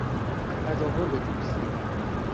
تظاهر به دوستی